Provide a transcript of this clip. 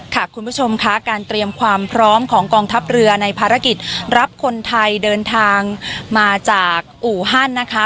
คุณผู้ชมค่ะการเตรียมความพร้อมของกองทัพเรือในภารกิจรับคนไทยเดินทางมาจากอู่ฮันนะคะ